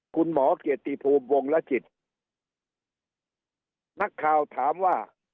คุณหมอเกียรติภูมิวงละจิตนักข่าวถามว่า